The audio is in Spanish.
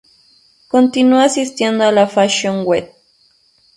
Continuó asistiendo a la Fashion Week.